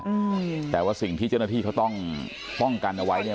อืมแต่ว่าสิ่งที่เจ้าหน้าที่เขาต้องป้องกันเอาไว้เนี้ย